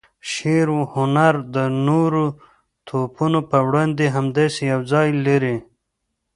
شعر و هنر د نورو پوهنو په وړاندې همداسې یو ځای لري.